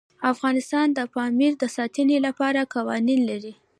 افغانستان د پامیر د ساتنې لپاره قوانین لري.